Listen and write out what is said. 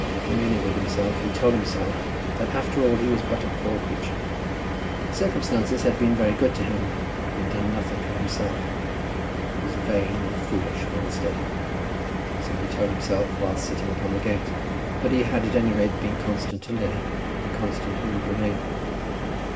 Communing with himself, he told himself that after all he was but a poor creature. Circumstances had been very good to him, but he had done nothing for himself. He was vain, and foolish, and unsteady. So he told himself while sitting upon the gate. But he had, at any rate, been constant to Lily, and constant he would remain.